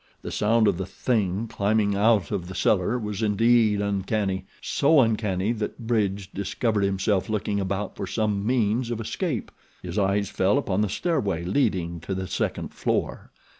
The sound of the THING climbing out of the cellar was indeed uncanny so uncanny that Bridge discovered himself looking about for some means of escape. His eyes fell upon the stairway leading to the second floor.